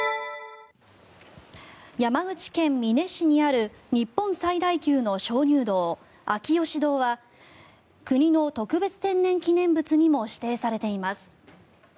山口県美祢市にある日本最大級の鍾乳洞、秋芳洞は国の特別天然記念物にも指定されています。